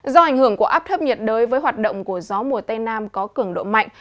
do ảnh hưởng của áp thấp nhiệt đới với hoạt động của gió mùa tây nam có cường độ mạnh